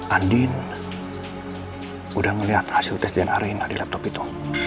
andin udah ngeliat hasil tes dna rina di laptop itu